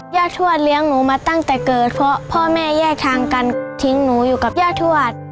ทวดเลี้ยงหนูมาตั้งแต่เกิดเพราะพ่อแม่แยกทางกันทิ้งหนูอยู่กับย่าทวด